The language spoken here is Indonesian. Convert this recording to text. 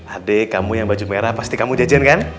adik kamu yang baju merah pasti kamu jajan kan